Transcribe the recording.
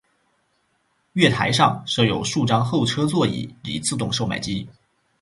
月台上设有数张候车座椅及自动售卖机。